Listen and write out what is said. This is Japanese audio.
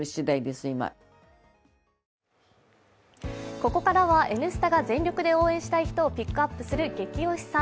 ここからは「Ｎスタ」が全力で応援したい人をピックアップするゲキ推しさん